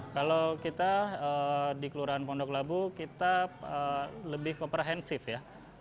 kalau kita di kelurahan pondok labu kita lebih komprehensif ya